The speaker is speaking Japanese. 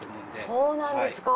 そうなんですか。